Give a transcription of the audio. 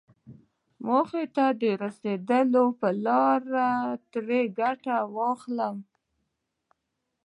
موخې ته د رسېدو په لاره کې ترې ګټه واخلم.